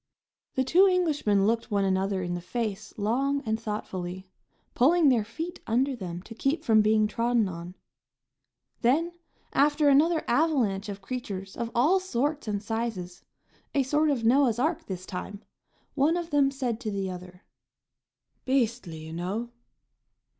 The two Englishmen looked one another in the face long and thoughtfully, pulling their feet under them to keep from being trodden on. Then, after another avalanche of creatures of all sorts and sizes, a sort of Noah's ark this time, one of them said to the other: "Beastly, you know!"